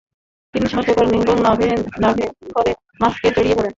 তিনি সাহায্য করেন এবং নভেম্বরে মাস্কমে জড়িয়ে পড়েন।